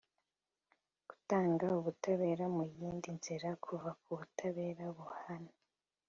gutanga ubutabera mu yindi nzira kuva ku butabera buhana